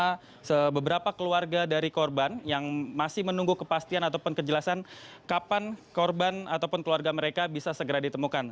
ada beberapa keluarga dari korban yang masih menunggu kepastian ataupun kejelasan kapan korban ataupun keluarga mereka bisa segera ditemukan